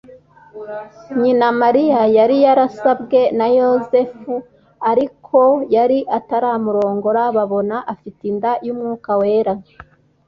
Nyina Mariya yari yarasabwe na Yosefuriko yari ataramurongora, babona afite inda y’Umwuka Wera